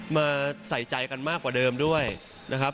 มาใส่ใจกันมากกว่าเดิมด้วยนะครับ